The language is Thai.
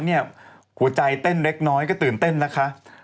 หัวใจเต้นเล็กน้อยก็ตื่นเต้นนะคะ